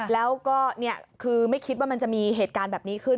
แล้วก็คือไม่คิดว่ามันจะมีเหตุการณ์แบบนี้ขึ้น